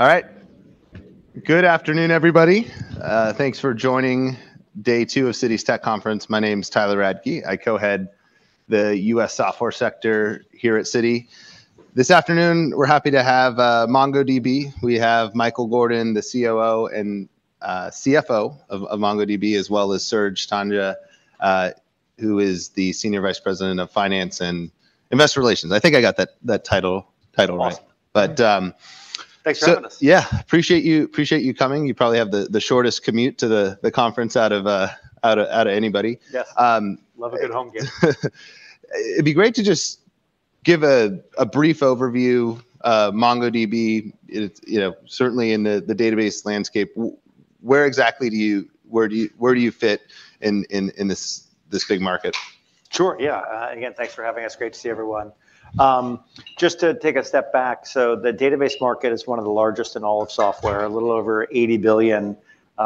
All right. Good afternoon, everybody. Thanks for joining day two of Citi's Tech Conference. My name's Tyler Radke. I co-head the U.S. software sector here at Citi. This afternoon, we're happy to have MongoDB. We have Michael Gordon, the COO and CFO of MongoDB, as well as Serge Tanjga, who is the Senior Vice President of Finance and Investor Relations. I think I got that title right. Awesome. But, um- Thanks for having us. Yeah. Appreciate you, appreciate you coming. You probably have the shortest commute to the conference out of anybody. Yes. Um- Love a good home game. It'd be great to just give a brief overview of MongoDB. It, you know, certainly in the database landscape, where exactly do you fit in this big market? Sure, yeah. Again, thanks for having us. Great to see everyone. Just to take a step back, so the database market is one of the largest in all of software. A little over $80 billion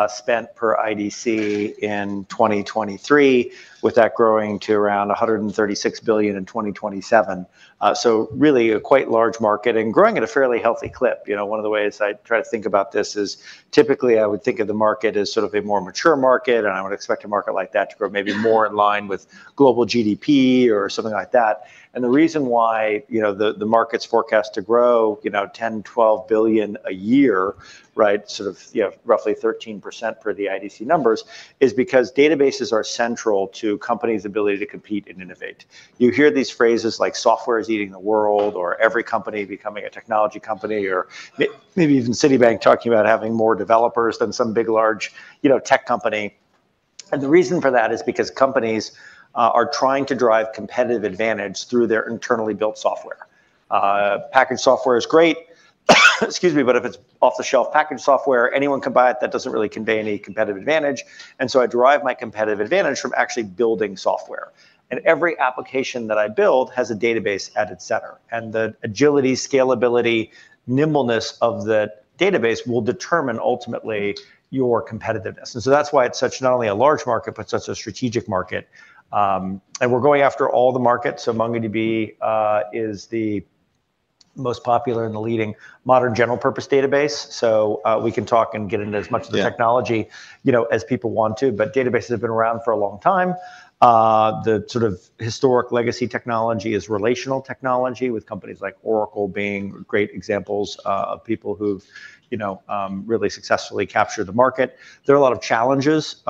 spent per IDC in 2023, with that growing to around $136 billion in 2027. So really a quite large market and growing at a fairly healthy clip. You know, one of the ways I try to think about this is, typically, I would think of the market as sort of a more mature market, and I would expect a market like that to grow maybe more in line with global GDP or something like that. The reason why, you know, the, the market's forecast to grow, you know, $10 billion-$12 billion a year, right, sort of, you know, roughly 13% per the IDC numbers, is because databases are central to companies' ability to compete and innovate. You hear these phrases like, "Software is eating the world," or, "Every company becoming a technology company," or maybe even Citibank talking about having more developers than some big, large, you know, tech company. The reason for that is because companies are, are trying to drive competitive advantage through their internally built software. Packaged software is great, excuse me, but if it's off-the-shelf packaged software, anyone can buy it. That doesn't really convey any competitive advantage, and so I derive my competitive advantage from actually building software. Every application that I build has a database at its center, and the agility, scalability, nimbleness of the database will determine ultimately your competitiveness. So that's why it's such not only a large market, but such a strategic market, and we're going after all the markets. MongoDB is the most popular and the leading modern general-purpose database, so we can talk and get into as much of the- Yeah... technology, you know, as people want to, but databases have been around for a long time. The sort of historic legacy technology is relational technology, with companies like Oracle being great examples of people who've, you know, really successfully captured the market. There are a lot of challenges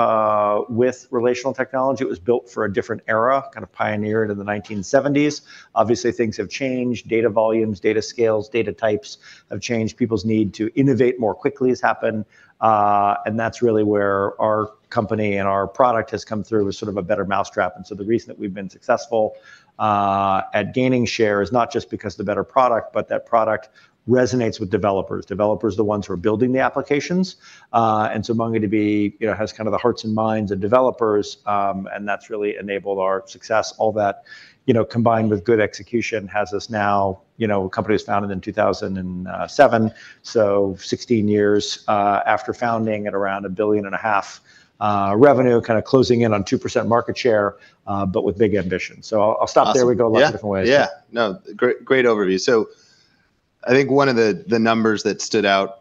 with relational technology. It was built for a different era, kind of pioneered in the 1970s. Obviously, things have changed. Data volumes, data scales, data types have changed. People's need to innovate more quickly has happened. And that's really where our company and our product has come through with sort of a better mousetrap. And so the reason that we've been successful at gaining share is not just because of the better product, but that product resonates with developers. Developers are the ones who are building the applications. And so MongoDB, you know, has kind of the hearts and minds of developers, and that's really enabled our success. All that, you know, combined with good execution, has us now. You know, the company was founded in 2007, so 16 years after founding, at around $1.5 billion revenue, kind of closing in on 2% market share, but with big ambitions. So I'll stop there. Awesome. We go a lot of different ways. Yeah. Yeah. No, great, great overview. So I think one of the numbers that stood out,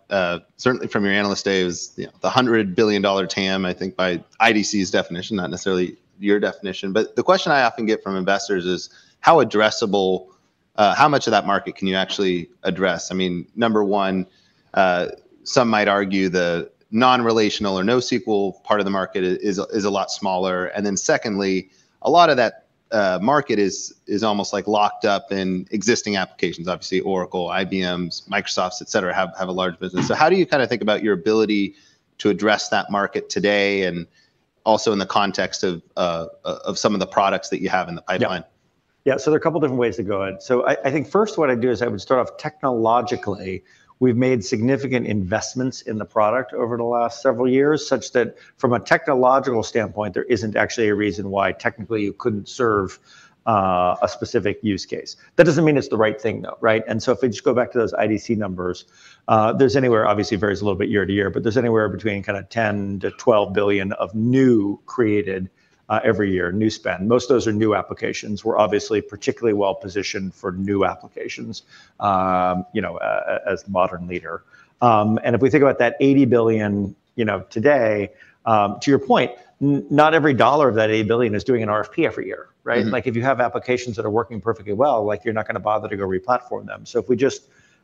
certainly from your Analyst Day, was, you know, the $100 billion TAM, I think, by IDC's definition, not necessarily your definition. But the question I often get from investors is: How addressable, how much of that market can you actually address? I mean, number one, some might argue the non-relational or NoSQL part of the market is a lot smaller. And then secondly, a lot of that market is almost, like, locked up in existing applications. Obviously, Oracle, IBM's, Microsoft's, et cetera, have a large business. Mm. So how do you kind of think about your ability to address that market today, and also in the context of some of the products that you have in the pipeline? Yeah. Yeah, so there are a couple different ways to go at it. So I think first what I'd do is I would start off technologically. We've made significant investments in the product over the last several years, such that from a technological standpoint, there isn't actually a reason why technically you couldn't serve a specific use case. That doesn't mean it's the right thing, though, right? And so if we just go back to those IDC numbers, there's anywhere, obviously it varies a little bit year to year, but there's anywhere between kind of $10 billion-$12 billion of new created every year, new spend. Most of those are new applications. We're obviously particularly well positioned for new applications, you know, as the modern leader. If we think about that $80 billion, you know, today, to your point, not every dollar of that $80 billion is doing an RFP every year, right? Mm. Like, if you have applications that are working perfectly well, like, you're not going to bother to go replatform them. So if we just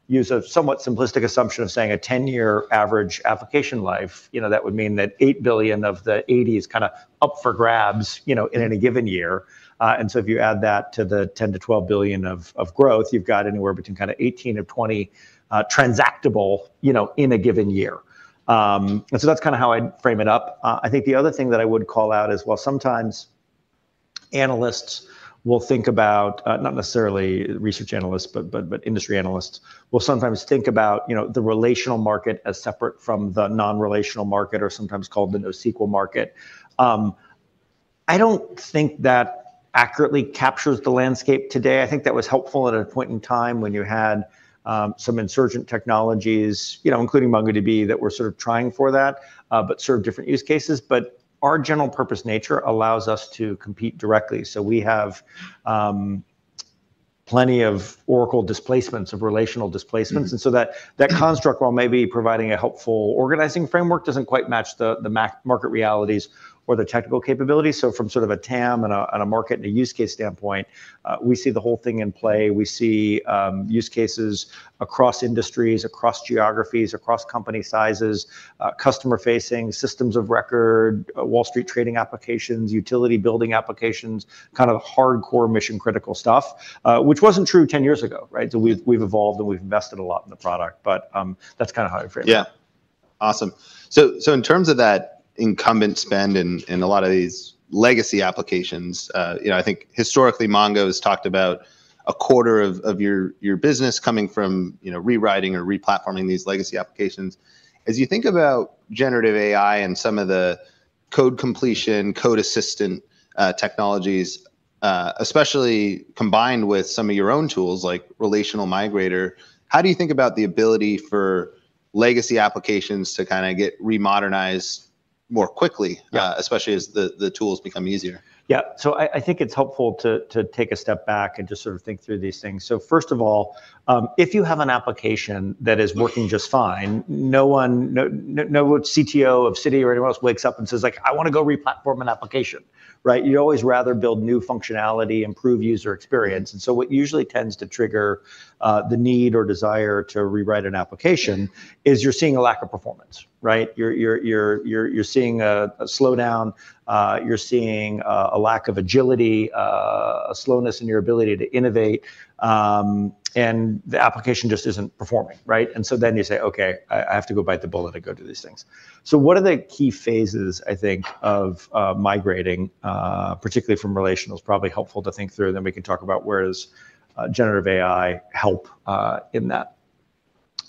use a somewhat simplistic assumption of saying a 10-year average application life, you know, that would mean that $8 billion of the $80 billion is kind of up for grabs, you know, in any given year. And so if you add that to the $10 billion-$12 billion of, of growth, you've got anywhere between kind of $18 billion and $20 billion transactable, you know, in a given year. And so that's kind of how I'd frame it up. I think the other thing that I would call out is, while sometimes analysts will think about, not necessarily research analysts, but industry analysts will sometimes think about, you know, the relational market as separate from the non-relational market, or sometimes called the NoSQL market. I don't think that accurately captures the landscape today. I think that was helpful at a point in time when you had, some insurgent technologies, you know, including MongoDB, that were sort of trying for that, but served different use cases. But our general purpose nature allows us to compete directly. So we have, plenty of Oracle displacements, of relational displacements. Mm-hmm. That construct, while maybe providing a helpful organizing framework, doesn't quite match the market realities or the technical capabilities. From sort of a TAM and a market and a use case standpoint, we see the whole thing in play. We see use cases across industries, across geographies, across company sizes, customer-facing, systems of record, Wall Street trading applications, utility building applications, kind of hardcore mission-critical stuff, which wasn't true 10 years ago, right? We've evolved and we've invested a lot in the product, but that's kind of how I frame it. Yeah. Awesome. So in terms of that incumbent spend in a lot of these legacy applications, you know, I think historically, Mongo has talked about a quarter of your business coming from, you know, rewriting or replatforming these legacy applications. As you think about generative AI and some of the code completion, code assistant technologies, especially combined with some of your own tools, like Relational Migrator, how do you think about the ability for legacy applications to kind of get remodernized more quickly- Yeah... especially as the tools become easier? Yeah. So I think it's helpful to take a step back and just sort of think through these things. So first of all, if you have an application that is working just fine, no one, no CTO of Citi or anyone else wakes up and says, like, "I want to go replatform an application," right? You'd always rather build new functionality, improve user experience. And so what usually tends to trigger the need or desire to rewrite an application is you're seeing a lack of performance, right? You're seeing a slowdown, you're seeing a lack of agility, a slowness in your ability to innovate, and the application just isn't performing, right? So then you say, "Okay, I have to go bite the bullet and go do these things." What are the key phases, I think, of migrating, particularly from relational? It's probably helpful to think through, then we can talk about where does Generative AI help in that.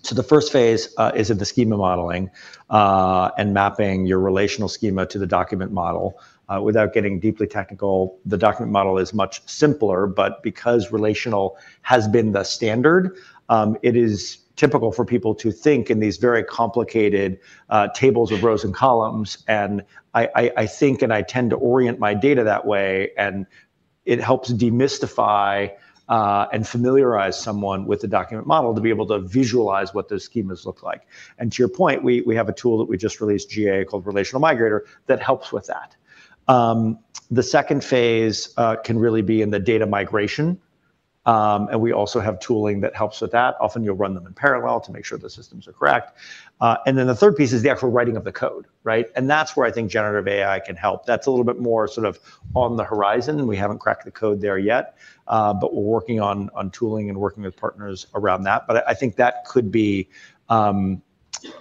So the first phase is in the schema modeling and mapping your relational schema to the document model. Without getting deeply technical, the document model is much simpler, but because relational has been the standard, it is typical for people to think in these very complicated tables of rows and columns, and I think and I tend to orient my data that way, and it helps demystify and familiarize someone with the document model to be able to visualize what those schemas look like. And to your point, we have a tool that we just released, GA, called Relational Migrator, that helps with that. The second phase can really be in the data migration, and we also have tooling that helps with that. Often, you'll run them in parallel to make sure the systems are correct. And then the third piece is the actual writing of the code, right? And that's where I think generative AI can help. That's a little bit more sort of on the horizon, and we haven't cracked the code there yet, but we're working on tooling and working with partners around that. But I, I think that could be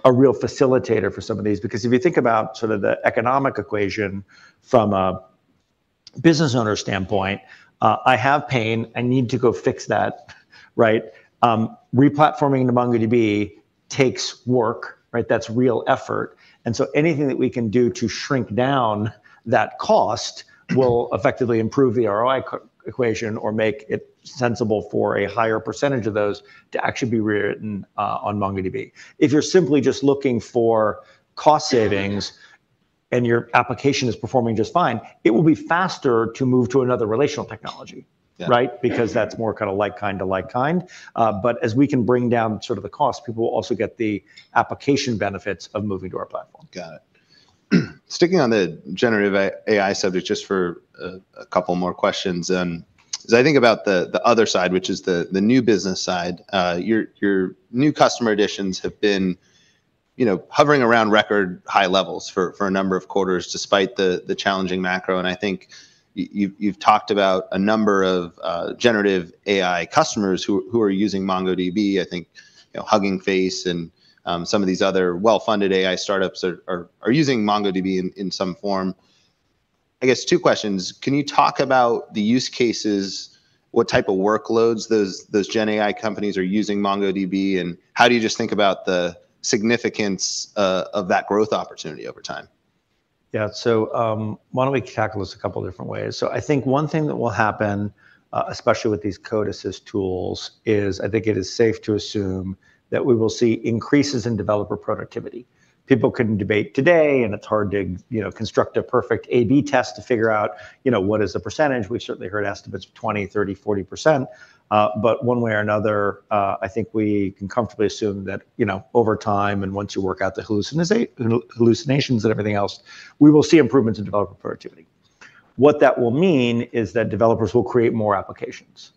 a real facilitator for some of these, because if you think about sort of the economic equation from a business owner standpoint, "I have pain, I need to go fix that," right? Replatforming to MongoDB takes work, right? That's real effort. And so anything that we can do to shrink down that cost will effectively improve the ROI equation or make it sensible for a higher percentage of those to actually be rewritten on MongoDB. If you're simply just looking for cost savings and your application is performing just fine, it will be faster to move to another relational technology. Yeah. Right? Because that's more kind of like kind to like kind. But as we can bring down sort of the cost, people will also get the application benefits of moving to our platform. Got it. Sticking on the generative AI subject, just for a couple more questions, as I think about the other side, which is the new business side, your new customer additions have been, you know, hovering around record high levels for a number of quarters, despite the challenging macro. And I think you've talked about a number of generative AI customers who are using MongoDB. I think, you know, Hugging Face and some of these other well-funded AI start-up's are using MongoDB in some form. I guess two questions: Can you talk about the use cases, what type of workloads those GenAI companies are using MongoDB, and how do you just think about the significance of that growth opportunity over time? Yeah. So, why don't we tackle this a couple different ways? So I think one thing that will happen, especially with these code assist tools, is I think it is safe to assume that we will see increases in developer productivity. People can debate today, and it's hard to, you know, construct a perfect A/B test to figure out, you know, what is the percentage. We've certainly heard estimates of 20, 30, 40%. But one way or another, I think we can comfortably assume that, you know, over time, and once you work out the hallucinations and everything else, we will see improvements in developer productivity. What that will mean is that developers will create more applications.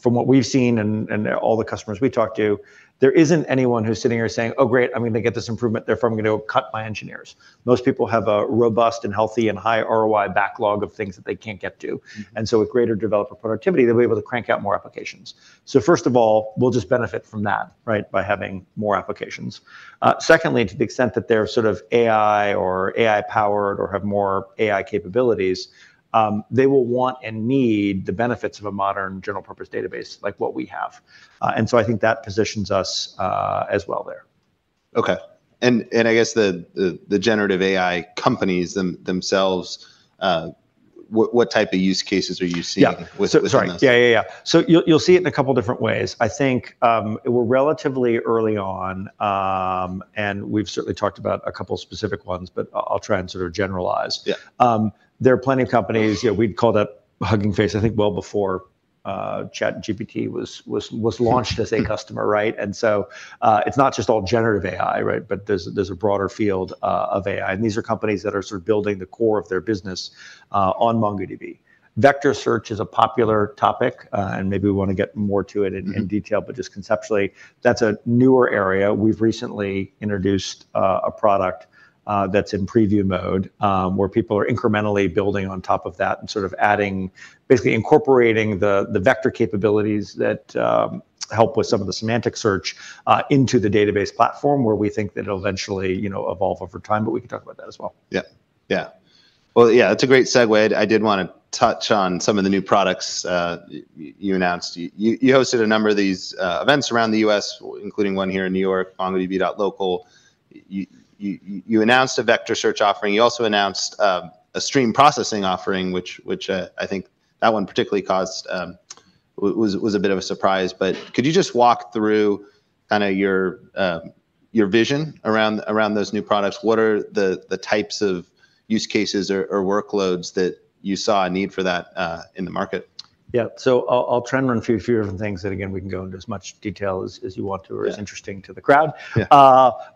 From what we've seen and all the customers we've talked to, there isn't anyone who's sitting here saying, "Oh, great, I'm going to get this improvement, therefore I'm going to cut my engineers." Most people have a robust and healthy and high ROI backlog of things that they can't get to. Mm-hmm. And so with greater developer productivity, they'll be able to crank out more applications. So first of all, we'll just benefit from that, right, by having more applications. Secondly, to the extent that they're sort of AI or AI-powered or have more AI capabilities, they will want and need the benefits of a modern general purpose database like what we have. And so I think that positions us, as well there. Okay. And I guess the generative AI companies themselves, what type of use cases are you seeing? Yeah with MongoDB? Sorry. Yeah, yeah, yeah. So you'll see it in a couple different ways. I think we're relatively early on, and we've certainly talked about a couple specific ones, but I'll try and sort of generalize. Yeah. There are plenty of companies... Yeah, we'd called up Hugging Face, I think, well before-... ChatGPT was launched as a customer, right? And so, it's not just all generative AI, right? But there's a broader field of AI, and these are companies that are sort of building the core of their business on MongoDB. Vector search is a popular topic, and maybe we want to get more to it in detail- Mm-hmm. But just conceptually, that's a newer area. We've recently introduced a product that's in preview mode, where people are incrementally building on top of that and sort of adding... basically incorporating the vector capabilities that help with some of the semantic search into the database platform, where we think that it'll eventually, you know, evolve over time, but we can talk about that as well. Yeah. Yeah. Well, yeah, that's a great segue. I did want to touch on some of the new products you announced. You hosted a number of these events around the U.S., including one here in New York, MongoDB.local. You announced a vector search offering. You also announced a stream processing offering, which I think that one particularly caused was a bit of a surprise, but could you just walk through kind of your vision around those new products? What are the types of use cases or workloads that you saw a need for that in the market? Yeah. So I'll, I'll try and run through a few of the things that, again, we can go into as much detail as, as you want to- Yeah... or is interesting to the crowd. Yeah.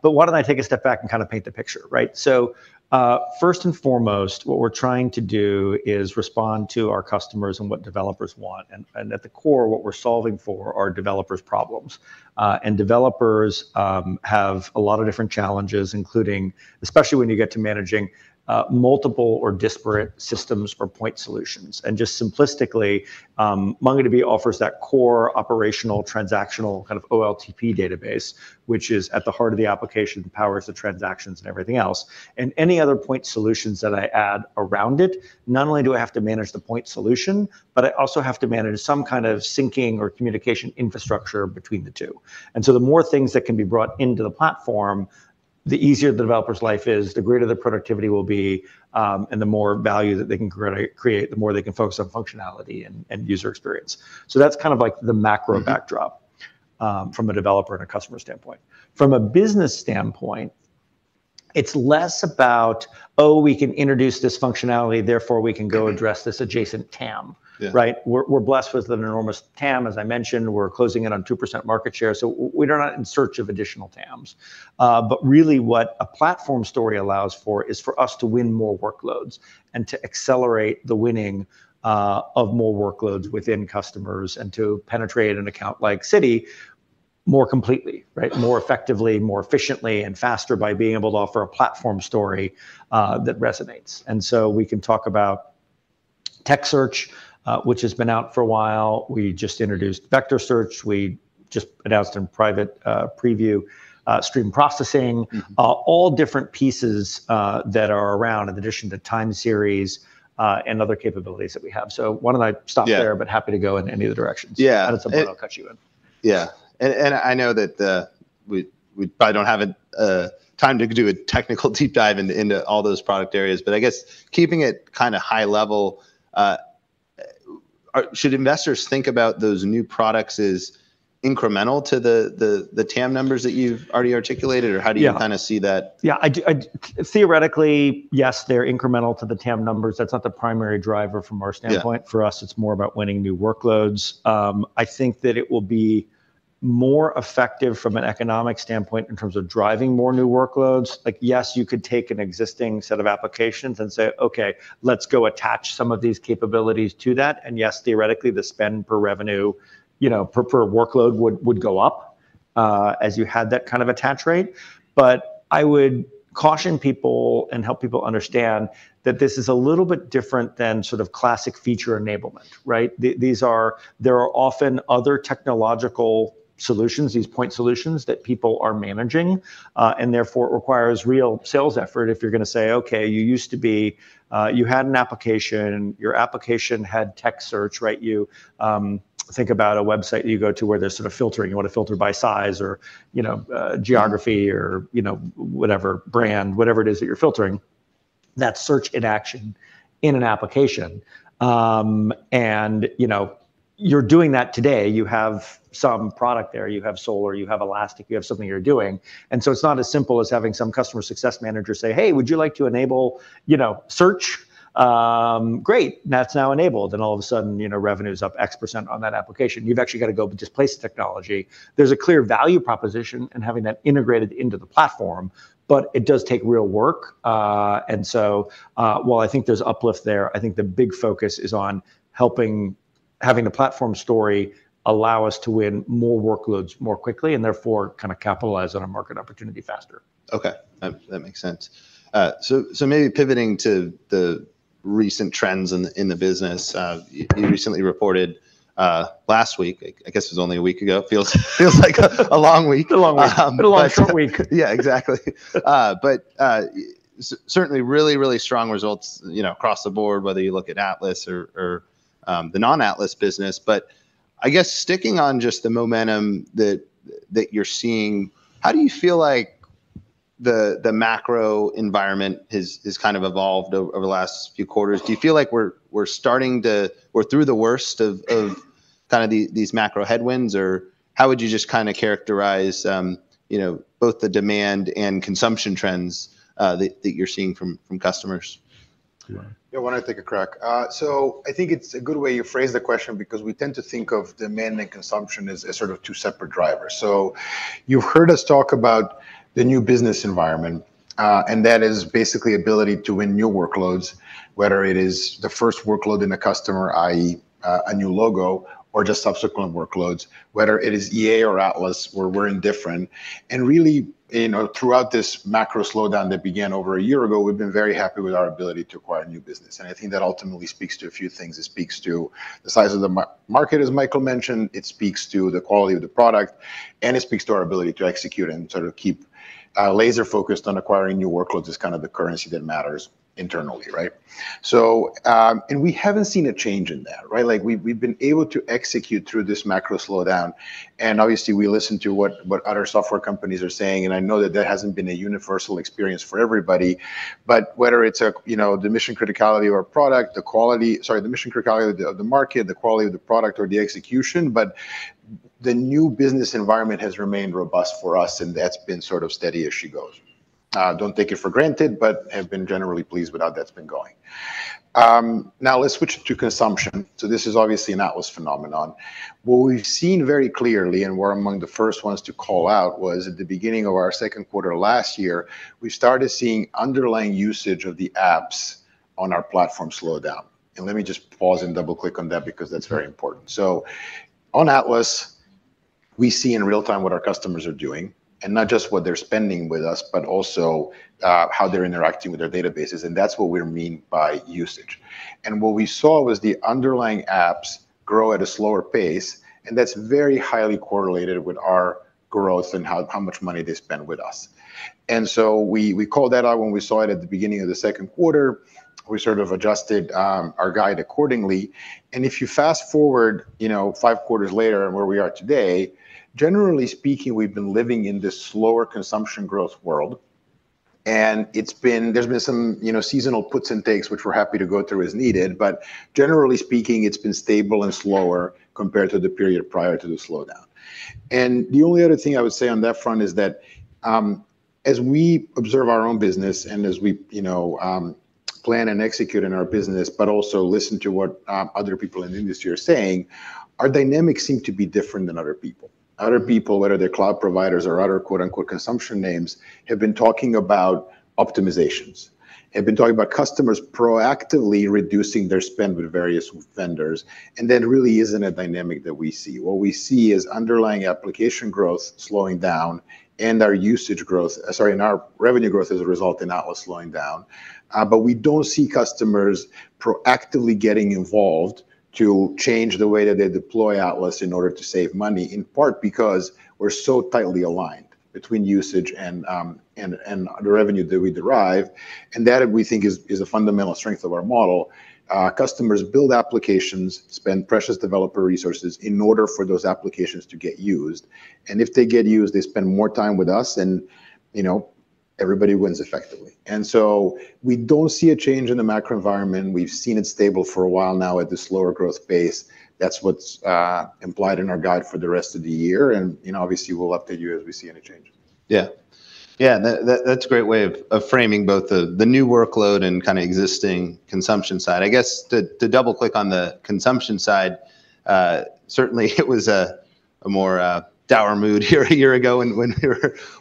But why don't I take a step back and kind of paint the picture, right? So, first and foremost, what we're trying to do is respond to our customers and what developers want, and, and at the core, what we're solving for are developers' problems. And developers have a lot of different challenges, including, especially when you get to managing multiple or disparate systems or point solutions. And just simplistically, MongoDB offers that core operational, transactional, kind of OLTP database, which is at the heart of the application, powers the transactions and everything else. And any other point solutions that I add around it, not only do I have to manage the point solution, but I also have to manage some kind of syncing or communication infrastructure between the two. And so the more things that can be brought into the platform, the easier the developer's life is, the greater the productivity will be, and the more value that they can create, create, the more they can focus on functionality and, and user experience. So that's kind of like the macro backdrop- Mm-hmm... from a developer and a customer standpoint. From a business standpoint, it's less about, "Oh, we can introduce this functionality, therefore, we can go address this adjacent TAM. Yeah. Right? We're blessed with an enormous TAM. As I mentioned, we're closing in on 2% market share, so we're not in search of additional TAMs. But really, what a platform story allows for is for us to win more workloads and to accelerate the winning of more workloads within customers, and to penetrate an account like Citi more completely, right, more effectively, more efficiently and faster by being able to offer a platform story that resonates. And so we can talk about text search, which has been out for a while. We just introduced vector search. We just announced in private preview stream processing. Mm-hmm. All different pieces that are around, in addition to time series, and other capabilities that we have. So why don't I stop there- Yeah... but happy to go in any of the directions. Yeah, and- At some point, I'll cut you in. Yeah. And I know that we probably don't have time to do a technical deep dive into all those product areas, but I guess keeping it kind of high level, should investors think about those new products as incremental to the TAM numbers that you've already articulated? Or how do you- Yeah... kind of see that? Yeah, theoretically, yes, they're incremental to the TAM numbers. That's not the primary driver from our standpoint. Yeah. For us, it's more about winning new workloads. I think that it will be more effective from an economic standpoint in terms of driving more new workloads. Like, yes, you could take an existing set of applications and say, "Okay, let's go attach some of these capabilities to that." And yes, theoretically, the spend per revenue, you know, per workload would go up as you had that kind of attach rate. But I would caution people and help people understand that this is a little bit different than sort of classic feature enablement, right? There are often other technological solutions, these point solutions, that people are managing, and therefore, it requires real sales effort if you're gonna say, "Okay, you used to be, you had an application, your application had text search," right? You think about a website you go to where there's sort of filtering. You want to filter by size or, you know, geography- Mm-hmm... or, you know, whatever brand, whatever it is that you're filtering. That's search in action in an application. And, you know, you're doing that today. You have some product there. You have Solr, you have Elastic, you have something you're doing. And so it's not as simple as having some customer success manager say, "Hey, would you like to enable, you know, search? Great, that's now enabled." And all of a sudden, you know, revenue is up X% on that application. You've actually got to go displace the technology. There's a clear value proposition in having that integrated into the platform, but it does take real work. And so, while I think there's uplift there, I think the big focus is on helping, having a platform story allow us to win more workloads more quickly, and therefore, kind of capitalize on a market opportunity faster. Okay, that makes sense. So maybe pivoting to the recent trends in the business. You recently reported last week, I guess it was only a week ago. It feels like a long week. A long week. Been a short week. Yeah, exactly. But certainly really, really strong results, you know, across the board, whether you look at Atlas or the non-Atlas business. But I guess sticking on just the momentum that you're seeing, how do you feel like the macro environment has kind of evolved over the last few quarters? Do you feel like we're starting to... we're through the worst of kind of these macro headwinds, or... How would you just kind of characterize, you know, both the demand and consumption trends that you're seeing from customers? Yeah, why don't I take a crack? So I think it's a good way you phrased the question because we tend to think of demand and consumption as, as sort of two separate drivers. So you've heard us talk about the new business environment, and that is basically ability to win new workloads, whether it is the first workload in a customer, i.e., a new logo or just subsequent workloads, whether it is EA or Atlas, we're, we're indifferent. And really, you know, throughout this macro slowdown that began over a year ago, we've been very happy with our ability to acquire new business, and I think that ultimately speaks to a few things. It speaks to the size of the market, as Michael mentioned, it speaks to the quality of the product, and it speaks to our ability to execute and sort of keep laser focused on acquiring new workloads is kind of the currency that matters internally, right? So, and we haven't seen a change in that, right? Like, we've been able to execute through this macro slowdown, and obviously, we listen to what other software companies are saying, and I know that that hasn't been a universal experience for everybody. But whether it's, you know, the mission criticality of our product, the quality, sorry, the mission criticality of the market, the quality of the product, or the execution, but the new business environment has remained robust for us, and that's been sort of steady as she goes. Don't take it for granted, but have been generally pleased with how that's been going. Now let's switch to consumption. So this is obviously an Atlas phenomenon. What we've seen very clearly, and we're among the first ones to call out, was at the beginning of our second quarter last year, we started seeing underlying usage of the apps on our platform slow down. And let me just pause and double-click on that because that's very important. So on Atlas, we see in real time what our customers are doing, and not just what they're spending with us, but also, how they're interacting with their databases, and that's what we mean by usage. And what we saw was the underlying apps grow at a slower pace, and that's very highly correlated with our growth and how much money they spend with us. So we called that out when we saw it at the beginning of the second quarter. We sort of adjusted our guide accordingly. If you fast-forward, you know, five quarters later and where we are today, generally speaking, we've been living in this slower consumption growth world, and it's been. There's been some, you know, seasonal puts and takes, which we're happy to go through as needed. But generally speaking, it's been stable and slower compared to the period prior to the slowdown. The only other thing I would say on that front is that, as we observe our own business and as we, you know, plan and execute in our business, but also listen to what other people in the industry are saying, our dynamics seem to be different than other people. Other people, whether they're cloud providers or other, quote, unquote, "consumption names," have been talking about optimizations. Have been talking about customers proactively reducing their spend with various vendors, and that really isn't a dynamic that we see. What we see is underlying application growth slowing down and our usage growth and our revenue growth as a result in Atlas slowing down, but we don't see customers proactively getting involved to change the way that they deploy Atlas in order to save money, in part because we're so tightly aligned between usage and the revenue that we derive, and that, we think, is a fundamental strength of our model. Customers build applications, spend precious developer resources in order for those applications to get used, and if they get used, they spend more time with us, then, you know, everybody wins effectively. We don't see a change in the macro environment. We've seen it stable for a while now at this slower growth pace. That's what's implied in our guide for the rest of the year, and, you know, obviously, we'll update you as we see any change. Yeah. Yeah, that's a great way of framing both the new workload and kind of existing consumption side. I guess to double-click on the consumption side, certainly it was a more dour mood here a year ago when we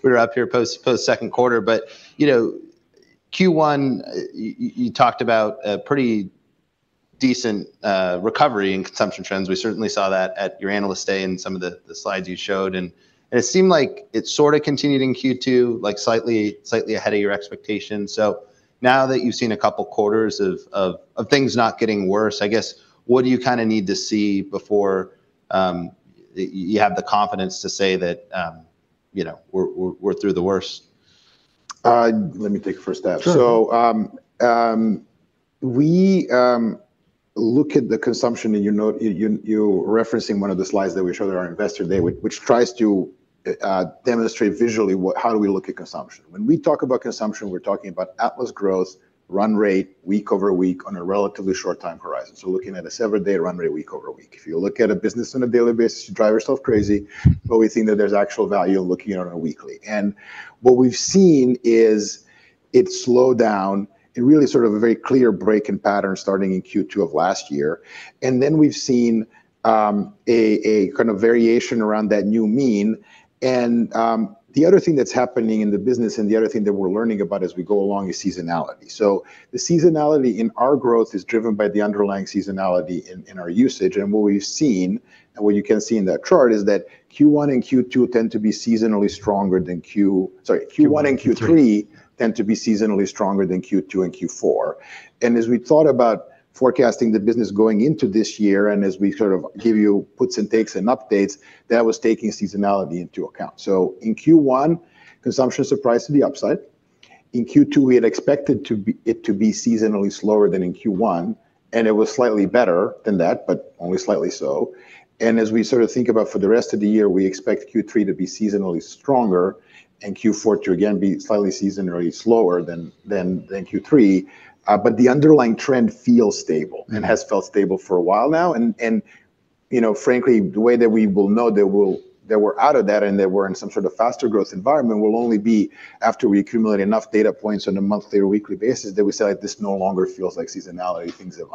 were up here post second quarter. But, you know, Q1, you talked about a pretty decent recovery in consumption trends. We certainly saw that at your Analyst Day and some of the slides you showed, and it seemed like it sort of continued in Q2, like slightly ahead of your expectations. So now that you've seen a couple quarters of things not getting worse, I guess, what do you kind of need to see before you have the confidence to say that, you know, we're through the worst? Let me take it first step. Sure. So, we look at the consumption, and you note—you're referencing one of the slides that we showed at our Investor Day, which tries to demonstrate visually what—how do we look at consumption. When we talk about consumption, we're talking about Atlas growth, run rate, week over week on a relatively short time horizon. So we're looking at a seven-day run rate, week over week. If you look at a business on a daily basis, you drive yourself crazy, but we think that there's actual value in looking at it on a weekly. And what we've seen is it slowed down in really sort of a very clear break in pattern starting in Q2 of last year, and then we've seen a kind of variation around that new mean. And, the other thing that's happening in the business and the other thing that we're learning about as we go along is seasonality. So the seasonality in our growth is driven by the underlying seasonality in our usage. And what we've seen, and what you can see in that chart, is that Q1 and Q2 tend to be seasonally stronger than Q... Sorry, Q1 and Q3- Q3. Tend to be seasonally stronger than Q2 and Q4. And as we thought about forecasting the business going into this year, and as we sort of give you puts and takes and updates, that was taking seasonality into account. So in Q1, consumption surprised to the upside. In Q2, we had expected it to be seasonally slower than in Q1, and it was slightly better than that, but only slightly so. And as we sort of think about for the rest of the year, we expect Q3 to be seasonally stronger and Q4 to again be slightly seasonally slower than Q3. But the underlying trend feels stable. Mm-hmm... and has felt stable for a while now.... you know, frankly, the way that we will know that we'll, that we're out of that, and that we're in some sort of faster growth environment will only be after we accumulate enough data points on a monthly or weekly basis, that we say, "This no longer feels like seasonality. Things have.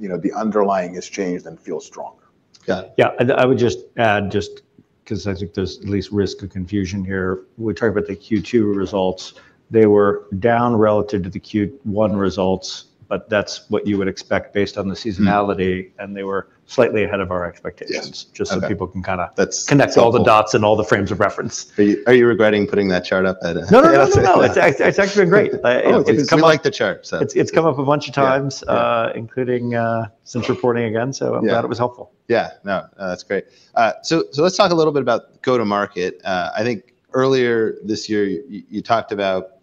You know, the underlying has changed and feels stronger." Yeah. Yeah, and I would just add, just 'cause I think there's at least risk of confusion here. We talked about the Q2 results. They were down relative to the Q1 results, but that's what you would expect based on the seasonality- Mm. And they were slightly ahead of our expectations. Yeah. Okay. Just so people can kinda- That's- connect all the dots and all the frames of reference. Are you regretting putting that chart up at- No, no, no, no, no. Yeah. It's actually been great. It, it's come up- Oh, people like the chart, so. It's come up a bunch of times- Yeah, yeah... including since reporting again. Yeah. I'm glad it was helpful. Yeah. No, that's great. So, so let's talk a little bit about go-to-market. I think earlier this year, you talked about,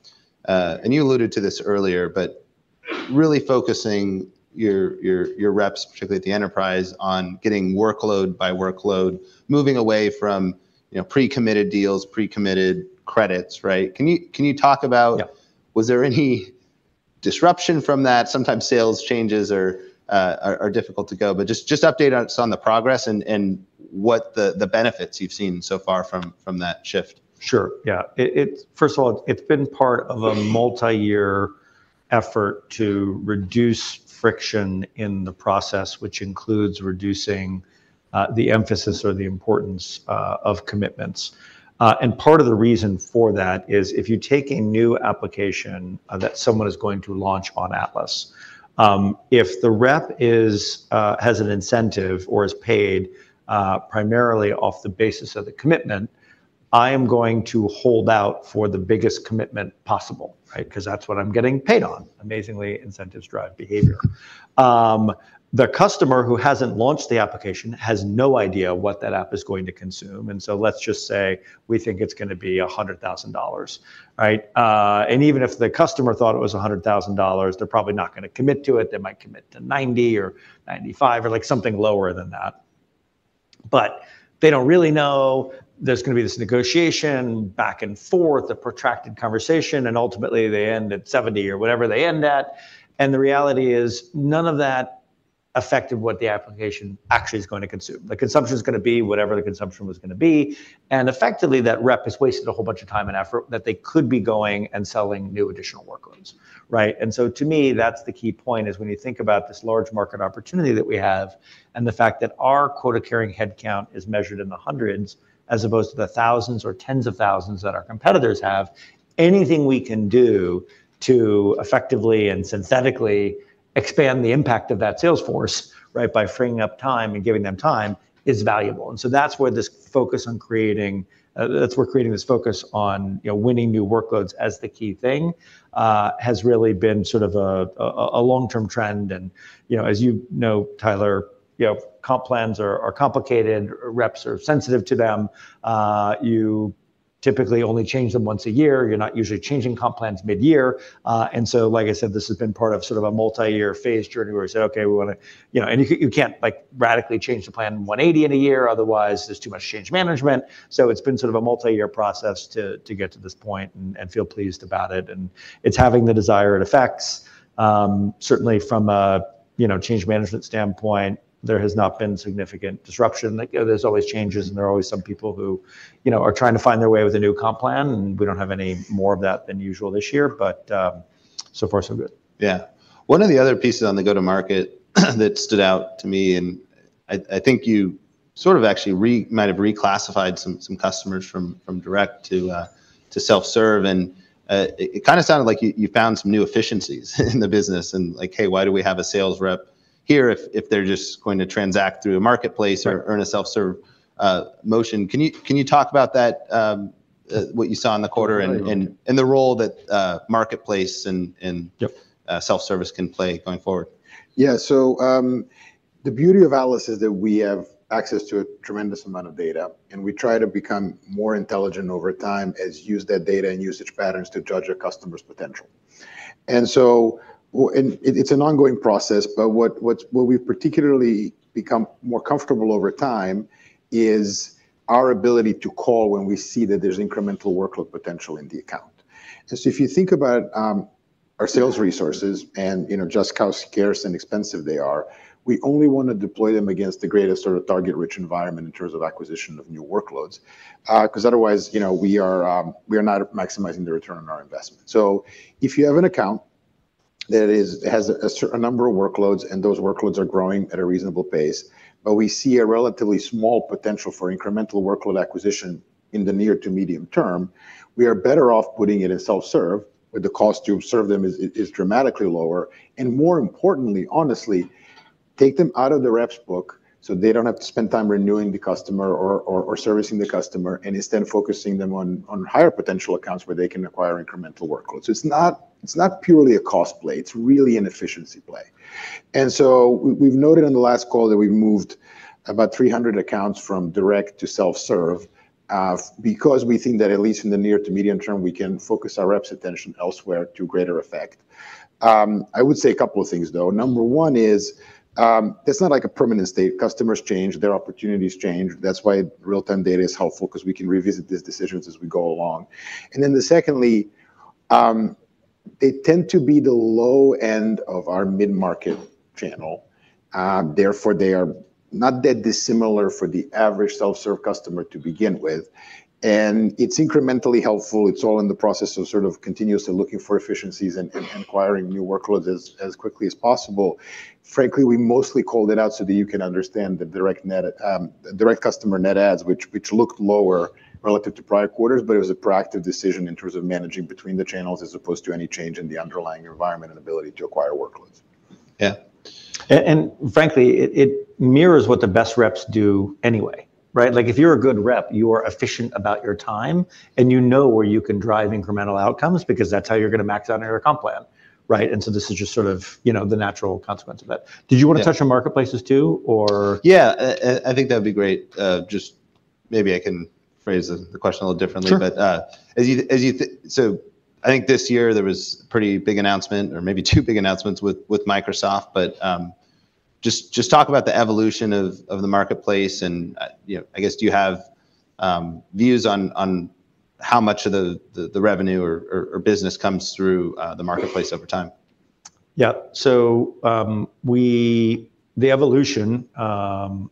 and you alluded to this earlier, but really focusing your, your, your reps, particularly at the enterprise, on getting workload by workload, moving away from, you know, pre-committed deals, pre-committed credits, right? Can you, can you talk about- Yeah... was there any disruption from that? Sometimes sales changes are difficult to go, but just update us on the progress and what the benefits you've seen so far from that shift. Sure, yeah. First of all, it's been part of a multi-year effort to reduce friction in the process, which includes reducing the emphasis or the importance of commitments. And part of the reason for that is, if you take a new application that someone is going to launch on Atlas, if the rep has an incentive or is paid primarily off the basis of the commitment, I am going to hold out for the biggest commitment possible, right? 'Cause that's what I'm getting paid on. Amazingly, incentives drive behavior. The customer who hasn't launched the application has no idea what that app is going to consume, and so let's just say we think it's gonna be $100,000, right? And even if the customer thought it was $100,000, they're probably not gonna commit to it. They might commit to $90,000 or $95,000 or, like, something lower than that. But they don't really know. There's gonna be this negotiation back and forth, a protracted conversation, and ultimately, they end at $70,000 or whatever they end at, and the reality is, none of that affected what the application actually is gonna consume. The consumption's gonna be whatever the consumption was gonna be, and effectively, that rep has wasted a whole bunch of time and effort that they could be going and selling new additional workloads, right? To me, that's the key point, is when you think about this large market opportunity that we have and the fact that our quota-carrying headcount is measured in the hundreds, as opposed to the thousands or tens of thousands that our competitors have, anything we can do to effectively and synthetically expand the impact of that sales force, right, by freeing up time and giving them time, is valuable. And so that's where this focus on creating, that's where creating this focus on, you know, winning new workloads as the key thing, has really been sort of a long-term trend. And, you know, as you know, Tyler, you know, comp plans are complicated. Reps are sensitive to them. You typically only change them once a year. You're not usually changing comp plans mid-year. And so, like I said, this has been part of sort of a multi-year phase journey where we said, "Okay, we wanna..." You know, and you can't, like, radically change the plan 180 in a year, otherwise there's too much change management. So it's been sort of a multi-year process to get to this point and feel pleased about it, and it's having the desired effects. Certainly from a, you know, change management standpoint, there has not been significant disruption. Like, you know, there's always changes, and there are always some people who, you know, are trying to find their way with a new comp plan, and we don't have any more of that than usual this year, but, so far, so good. Yeah. One of the other pieces on the go-to-market that stood out to me, and I think you sort of actually might have reclassified some customers from direct to self-serve, and it kinda sounded like you found some new efficiencies in the business. And like, "Hey, why do we have a sales rep here if they're just going to transact through a marketplace- Right... or earn a self-serve motion?" Can you, can you talk about that, what you saw in the quarter- Right... the role that marketplace and Yeah... self-service can play going forward? Yeah. So, the beauty of Atlas is that we have access to a tremendous amount of data, and we try to become more intelligent over time as we use that data and usage patterns to judge a customer's potential. And so it’s an ongoing process, but what we've particularly become more comfortable over time is our ability to call when we see that there's incremental workload potential in the account. And so if you think about our sales resources and, you know, just how scarce and expensive they are, we only want to deploy them against the greatest sort of target-rich environment in terms of acquisition of new workloads. 'Cause otherwise, you know, we are not maximizing the return on our investment. So if you have an account that has a certain number of workloads, and those workloads are growing at a reasonable pace, but we see a relatively small potential for incremental workload acquisition in the near to medium term, we are better off putting it in self-serve, where the cost to serve them is dramatically lower, and more importantly, honestly, take them out of the rep's book so they don't have to spend time renewing the customer or servicing the customer, and instead focusing them on higher potential accounts where they can acquire incremental workloads. It's not purely a cost play. It's really an efficiency play. And so we've noted on the last call that we've moved about 300 accounts from direct to self-serve, because we think that at least in the near to medium term, we can focus our reps' attention elsewhere to greater effect. I would say a couple of things, though. Number one is, it's not like a permanent state. Customers change, their opportunities change. That's why real-time data is helpful, 'cause we can revisit these decisions as we go along. And then the secondly, They tend to be the low end of our mid-market channel, therefore, they are not that dissimilar for the average self-serve customer to begin with, and it's incrementally helpful. It's all in the process of sort of continuously looking for efficiencies and acquiring new workloads as quickly as possible. Frankly, we mostly called it out so that you can understand the direct net, the direct customer net adds, which looked lower relative to prior quarters, but it was a proactive decision in terms of managing between the channels, as opposed to any change in the underlying environment and ability to acquire workloads. Yeah. And frankly, it mirrors what the best reps do anyway, right? Like, if you're a good rep, you are efficient about your time, and you know where you can drive incremental outcomes because that's how you're going to max out on your comp plan, right? And so this is just sort of, you know, the natural consequence of that. Yeah. Did you want to touch on marketplaces, too, or...? Yeah, I think that'd be great. Just maybe I can phrase the question a little differently. Sure. So I think this year there was a pretty big announcement or maybe two big announcements with Microsoft, but just talk about the evolution of the marketplace and, you know, I guess, do you have views on how much of the revenue or business comes through the marketplace over time? Yeah. So, the evolution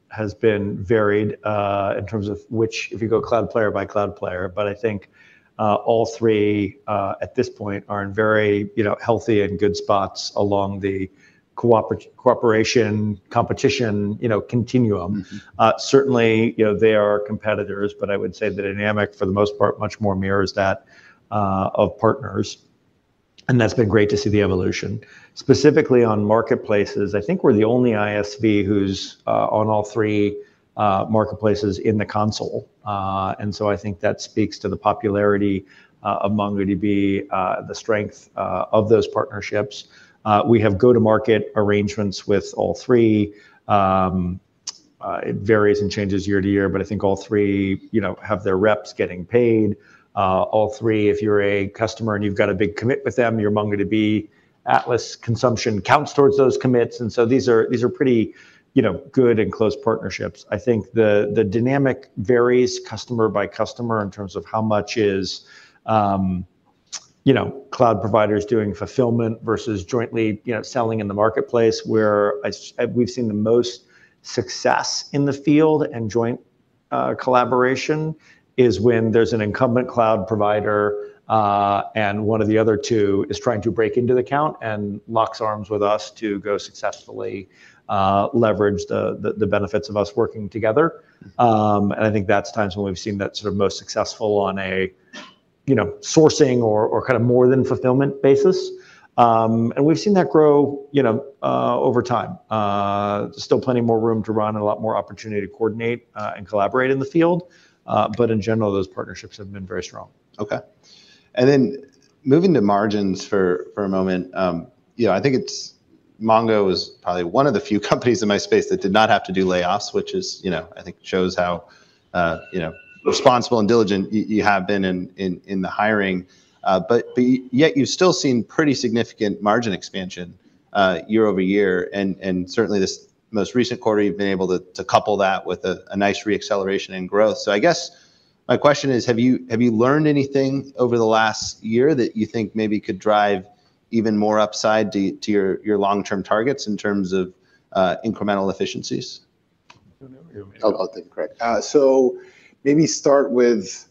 has been varied in terms of which... If you go cloud player by cloud player, but I think, all three, at this point, are in very, you know, healthy and good spots along the cooperation, competition, you know, continuum. Mm-hmm. Certainly, you know, they are competitors, but I would say the dynamic, for the most part, much more mirrors that of partners, and that's been great to see the evolution. Specifically on marketplaces, I think we're the only ISV who's on all three marketplaces in the console. And so I think that speaks to the popularity among DB the strength of those partnerships. We have go-to-market arrangements with all three. It varies and changes year to year, but I think all three, you know, have their reps getting paid. All three, if you're a customer and you've got a big commit with them, your MongoDB Atlas consumption counts towards those commits, and so these are, these are pretty, you know, good and close partnerships. I think the dynamic varies customer by customer in terms of how much is, you know, cloud providers doing fulfillment versus jointly, you know, selling in the marketplace. Where we've seen the most success in the field and joint collaboration is when there's an incumbent cloud provider and one of the other two is trying to break into the account and locks arms with us to go successfully leverage the benefits of us working together. And I think that's times when we've seen that sort of most successful on a, you know, sourcing or kind of more than fulfillment basis. And we've seen that grow, you know, over time. Still plenty more room to run and a lot more opportunity to coordinate, and collaborate in the field, but in general, those partnerships have been very strong. Okay. Then moving to margins for a moment, you know, I think it's, Mongo is probably one of the few companies in my space that did not have to do layoffs, which is, you know, I think shows how, you know, responsible and diligent you have been in the hiring, but yet you've still seen pretty significant margin expansion, year-over-year, and certainly this most recent quarter, you've been able to couple that with a nice re-acceleration in growth. So I guess my question is, have you learned anything over the last year that you think maybe could drive even more upside to your long-term targets in terms of incremental efficiencies? I'll take it. Correct. So maybe start with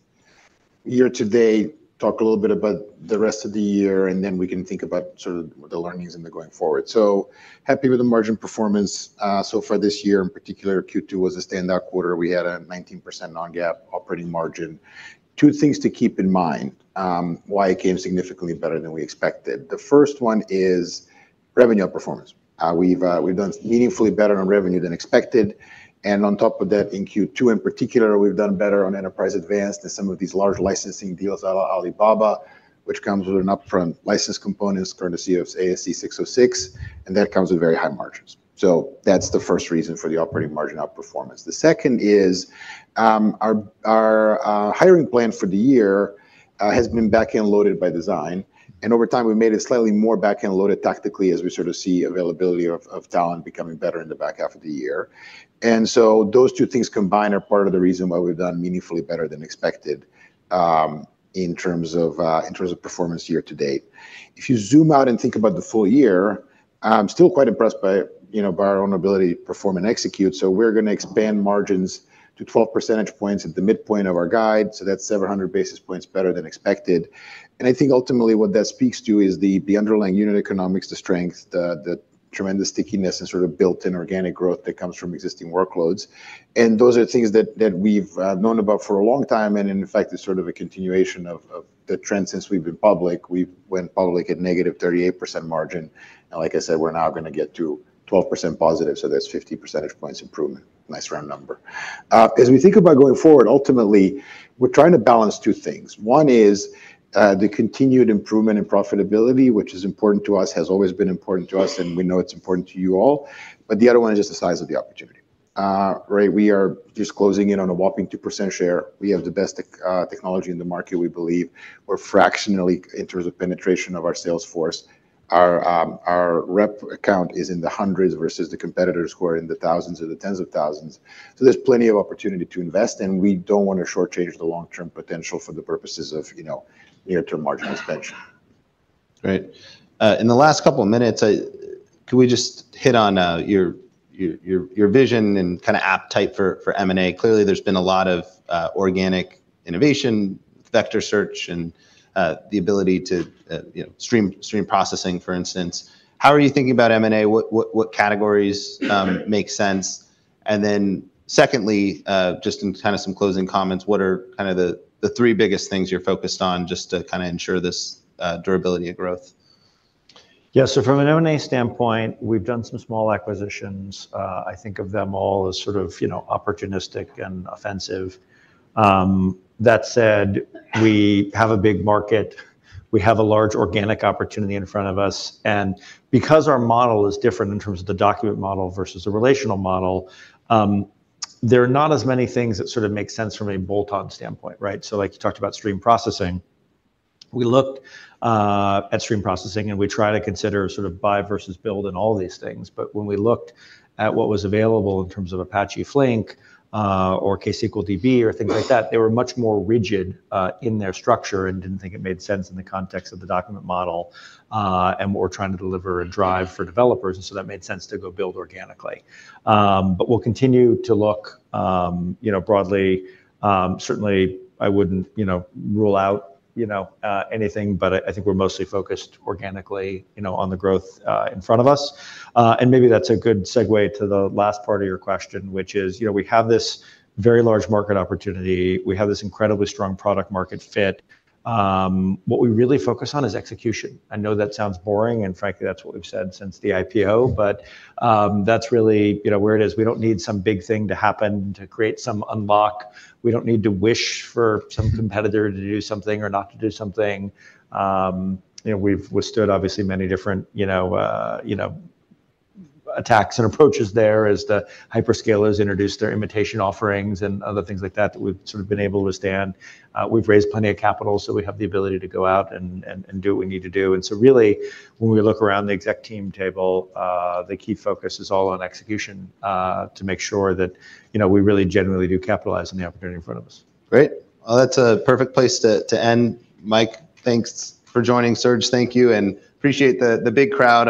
year to date, talk a little bit about the rest of the year, and then we can think about sort of the learnings and the going forward. So happy with the margin performance so far this year. In particular, Q2 was a standout quarter. We had a 19% non-GAAP operating margin. Two things to keep in mind why it came significantly better than we expected. The first one is revenue outperformance. We've done meaningfully better on revenue than expected, and on top of that, in Q2 in particular, we've done better on enterprise advanced and some of these large licensing deals, Alibaba, which comes with an upfront license components, courtesy of ASC 606, and that comes with very high margins. So that's the first reason for the operating margin outperformance. The second is, our hiring plan for the year, has been back-end loaded by design, and over time, we've made it slightly more back-end loaded tactically as we sort of see availability of talent becoming better in the back half of the year. And so those two things combined are part of the reason why we've done meaningfully better than expected, in terms of performance year to date. If you zoom out and think about the full year, I'm still quite impressed by, you know, by our own ability to perform and execute. So we're gonna expand margins to 12 percentage points at the midpoint of our guide, so that's several hundred basis points better than expected. I think ultimately what that speaks to is the underlying unit economics, the strength, the tremendous stickiness and sort of built-in organic growth that comes from existing workloads. And those are things that we've known about for a long time, and in fact, it's sort of a continuation of the trend since we've been public. We went public at negative 38% margin, and like I said, we're now gonna get to 12% positive, so that's 50 percentage points improvement. Nice round number. As we think about going forward, ultimately, we're trying to balance two things. One is the continued improvement in profitability, which is important to us, has always been important to us, and we know it's important to you all, but the other one is just the size of the opportunity. Right, we are just closing in on a whopping 2% share. We have the best tech, technology in the market, we believe. We're fractionally in terms of penetration of our sales force.... Our rep account is in the hundreds versus the competitors who are in the thousands or the tens of thousands. So there's plenty of opportunity to invest, and we don't want to shortchange the long-term potential for the purposes of, you know, near-term marginal expansion. Right. In the last couple of minutes, can we just hit on your vision and kind of appetite for M&A? Clearly, there's been a lot of organic innovation, vector search, and the ability to, you know, stream processing, for instance. How are you thinking about M&A? What categories make sense? And then secondly, just in kind of some closing comments, what are kind of the three biggest things you're focused on just to kind of ensure this durability of growth? Yeah. So from an M&A standpoint, we've done some small acquisitions. I think of them all as sort of, you know, opportunistic and offensive. That said, we have a big market. We have a large organic opportunity in front of us, and because our model is different in terms of the document model versus a relational model, there are not as many things that sort of make sense from a bolt-on standpoint, right? So like you talked about stream processing. We looked at stream processing, and we try to consider sort of buy versus build and all these things. But when we looked at what was available in terms of Apache Flink, or ksqlDB, or things like that, they were much more rigid, in their structure and didn't think it made sense in the context of the document model, and what we're trying to deliver and drive for developers, and so that made sense to go build organically. But we'll continue to look, you know, broadly. Certainly, I wouldn't, you know, rule out, you know, anything, but I, I think we're mostly focused organically, you know, on the growth, in front of us. And maybe that's a good segue to the last part of your question, which is, you know, we have this very large market opportunity. We have this incredibly strong product market fit. What we really focus on is execution. I know that sounds boring, and frankly, that's what we've said since the IPO, but that's really, you know, where it is. We don't need some big thing to happen to create some unlock. We don't need to wish for some competitor to do something or not to do something. You know, we've withstood, obviously, many different, you know, attacks and approaches there as the hyperscalers introduced their imitation offerings and other things like that, that we've sort of been able to withstand. We've raised plenty of capital, so we have the ability to go out and do what we need to do. And so really, when we look around the exec team table, the key focus is all on execution, to make sure that, you know, we really genuinely do capitalize on the opportunity in front of us. Great. Well, that's a perfect place to end. Mike, thanks for joining. Serge, thank you, and appreciate the big crowd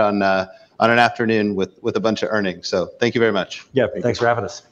on an afternoon with a bunch of earnings. So thank you very much. Yeah. Thanks for having us.